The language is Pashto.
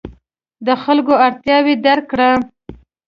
د خلکو اړتیاوې درک کړه.